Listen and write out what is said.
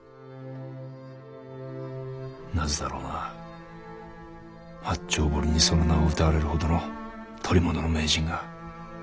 なぜだろうな八丁堀にその名を謳われるほどの捕り物の名人が。